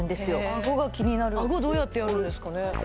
顎が気になる顎どうやってやるんですかね